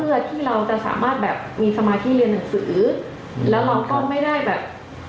เพื่อที่เราจะสามารถแบบมีสมาธิเรียนหนังสือแล้วเราก็ไม่ได้แบบ